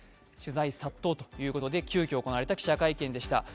取材殺到ということで、急きょ行われた記者会見でした。